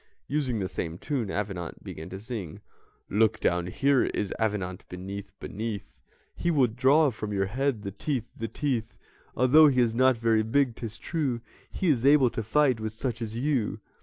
Using the same tune, Avenant began to sing: "Look down, here is Avenant beneath, beneath He will draw from your head, the teeth, the teeth Although he is not very big, 'tis true, He is able to fight with such as you."